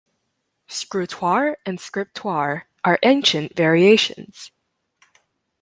Scrutoire and scriptoire are ancient variations.